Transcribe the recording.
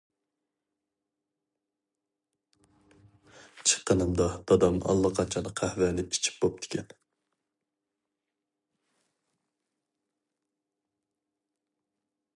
چىققىنىمدا دادام ئاللىقاچان قەھۋەنى ئىچىپ بوپتىكەن.